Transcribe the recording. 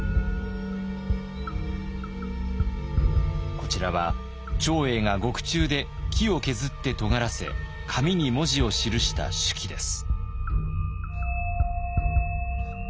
こちらは長英が獄中で木を削ってとがらせ紙に文字を記した手記です。